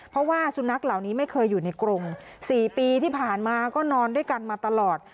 เพราะว่าสุนัขเหล่านี้ไม่เคยอยู่ในกรง๔ปีที่ผ่านมาก็นอนด้วยกันมาตลอด